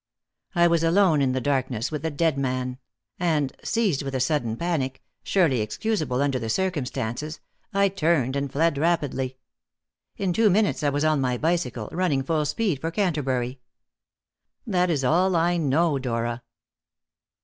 I was alone in the darkness with the dead man; and, seized with a sudden panic surely excusable under the circumstances I turned and fled rapidly. In two minutes I was on my bicycle, running full speed for Canterbury. That is all I know, Dora."